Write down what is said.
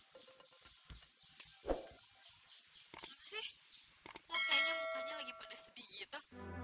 kok kayaknya mukanya lagi pada sedih gitu